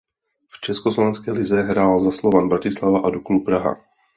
V československé lize hrál za Slovan Bratislava a Duklu Praha.